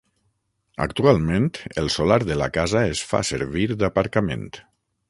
Actualment el solar de la casa es fa servir d'aparcament.